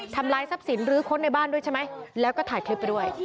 ลายทรัพย์สินหรือค้นในบ้านด้วยใช่ไหมแล้วก็ถ่ายคลิปไปด้วย